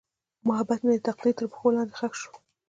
محبت مې د تقدیر تر پښو لاندې ښخ شو.